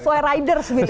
sesuai riders gitu ya